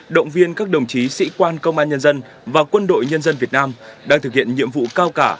động viên các đồng chí sĩ quan công an nhân dân và quân đội nhân dân việt nam đang thực hiện nhiệm vụ cao cả